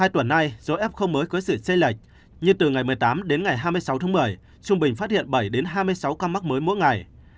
hai tuần nay dối f mới có sự xây lệch như từ ngày một mươi tám đến ngày hai mươi sáu tháng một mươi trung bình phát hiện bảy đến hai mươi sáu ca mắc mới mỗi ngày